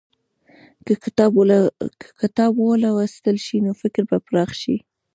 که کتاب ولوستل شي، نو فکر به پراخ شي.